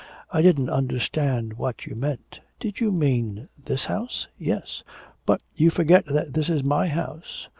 I didn't understand what you meant. Did you mean this house?' 'Yes.' 'But you forget that this is my house.